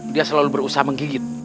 dia selalu berusaha menggigit